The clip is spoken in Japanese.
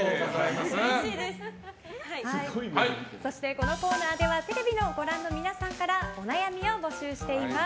このコーナーではテレビをご覧の皆さんからお悩みを募集しています。